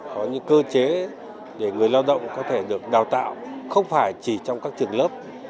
có những cơ chế để người lao động có thể được đào tạo không phải chỉ trong các trường lớp